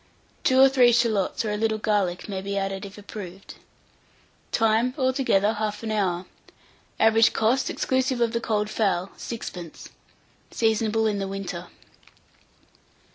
Two or three shallots or a little garlic may be added, if approved. Time. Altogether 1/2 hour. Av. cost, exclusive of the cold fowl, 6d. Seasonable in the winter.